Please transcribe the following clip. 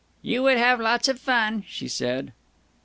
"You would have lots of fun," she said.